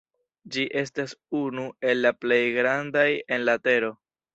Ĝi estas unu el la plej grandaj en la tero.